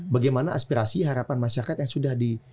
bagaimana aspirasi harapan masyarakat yang sudah di